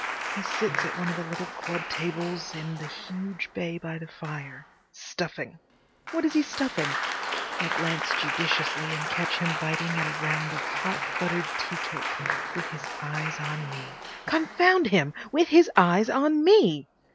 He sits at one of the little club tables in the huge bay by the fire, stuffing. What is he stuffing? I glance judiciously and catch him biting at a round of hot buttered tea cake, with his eyes on me. Confound him!—with his eyes on me!